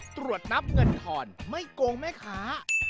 ตรวจนับเงินทอนไม่โกงแม่ค้า